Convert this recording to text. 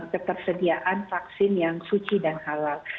kita akan terus mengupayakan vaksin yang suci dan halal